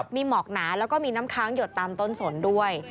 มีหมอกหนาแล้วก็มีน้ำค้างหยดตามต้นสนด้วย